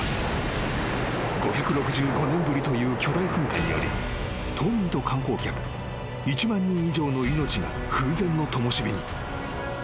［５６５年ぶりという巨大噴火により島民と観光客１万人以上の命が風前の灯に］